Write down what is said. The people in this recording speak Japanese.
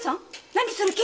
何する気？